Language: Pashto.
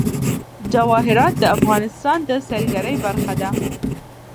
جواهرات د افغانستان د سیلګرۍ برخه ده.